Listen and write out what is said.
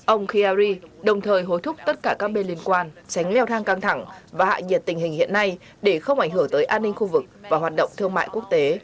ông khayyari đồng thời hối thúc tất cả các bên liên quan tránh leo thang căng thẳng và hạ nhiệt tình hình hiện nay để không ảnh hưởng tới an ninh khu vực và hoạt động thương mại quốc tế